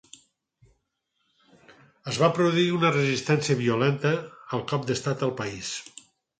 Es va produir una resistència violenta al cop d'estat al país.